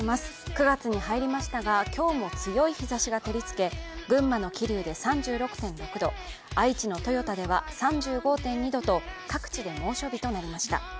９月に入りましたが、今日も強い日ざしが照りつけ群馬の桐生で３６．６度愛知の豊田では３５．２度と各地で猛暑日となりました。